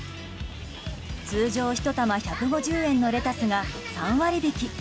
通常１玉１５０円のレタスが３割引き。